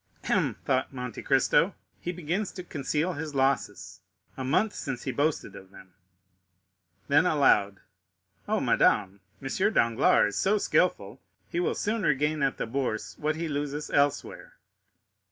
"Hem," thought Monte Cristo, "he begins to conceal his losses; a month since he boasted of them." Then aloud,—"Oh, madame, M. Danglars is so skilful, he will soon regain at the Bourse what he loses elsewhere."